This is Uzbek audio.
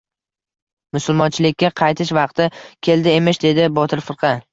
«Musulmonchilikka qaytish vaqti keldi emish, — dedi Botir firqa.